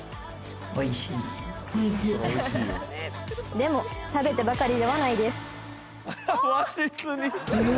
「でも食べてばかりではないです」